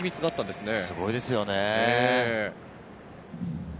すごいですよね。